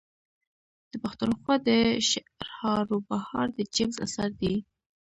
د پښتونخوا د شعرهاروبهار د جيمز اثر دﺉ.